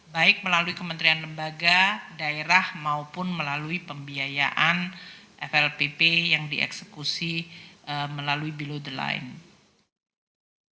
baik melalui kementerian lembaga daerah maupun melalui pembiayaan flpp yang dieksekusi melalui belo the line